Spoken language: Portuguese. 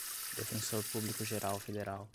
defensor público-geral federal